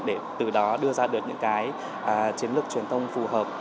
để từ đó đưa ra được những cái chiến lược truyền thông phù hợp